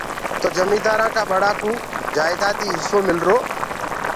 تو جميٚندآرانٚ ڪا ٻڙا ڪوُ جائيٚدادي هِسو مِلرو۔